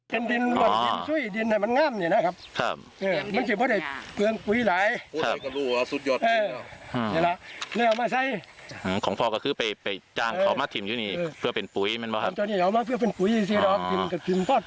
เป็นดินบ่อนดินช่วยดินให้มันง่ำเนี่ยนะครับ